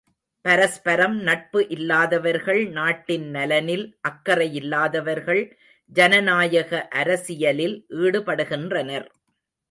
பரஸ்பரம் நட்பு இல்லாதவர்கள் நாட்டின் நலனில் அக்கறையில்லாதவர்கள் ஜனநாயக அரசியலில் ஈடுபடுகின்றனர்.